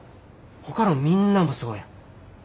ほかのみんなもそうや。